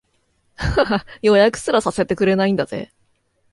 ははっ、予約すらさせてくれないんだぜ